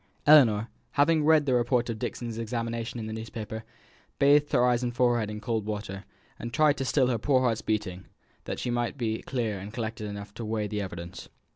Ellinor, having read the report of Dixon's examination in the newspaper, bathed her eyes and forehead in cold water, and tried to still her poor heart's beating, that she might be clear and collected enough to weigh the evidence.